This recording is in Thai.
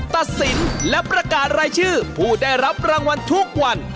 ตัดสินและประกาศรายชื่อผู้ได้รับรางวัลทุกวัน